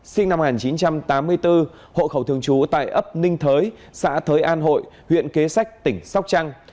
sinh năm một nghìn chín trăm tám mươi bốn hộ khẩu thường trú tại ấp ninh thới xã thới an hội huyện kế sách tỉnh sóc trăng